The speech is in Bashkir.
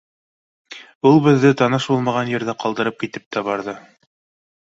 Ул беҙҙе таныш булмаған ерҙә ҡалдырып китеп тә барҙы.